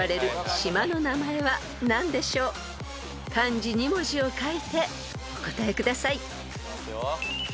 ［漢字２文字を書いてお答えください］